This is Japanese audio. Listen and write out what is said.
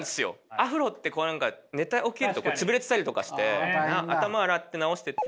アフロって寝て起きると潰れてたりとかして頭洗って直してって。